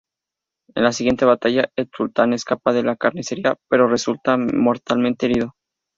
En la siguiente batalla, el Sultán escapa de la carnicería, pero resulta mortalmente herido.